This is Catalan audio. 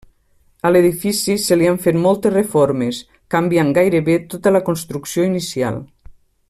A l'edifici se l'hi han fet moltes reformes, canviant gairebé tota la construcció inicial.